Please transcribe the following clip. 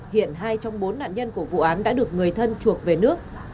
hiện hai trong bốn nạn nhân của vụ án đã được người thân chuộc về nước